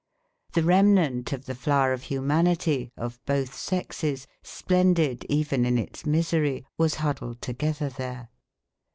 The remnant of the flower of humanity, of both sexes, splendid even in its misery, was huddled together there.